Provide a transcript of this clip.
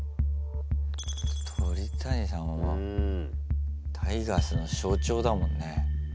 鳥谷さんはタイガースの象徴だもんね。